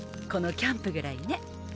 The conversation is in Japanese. このキャンプぐらいね。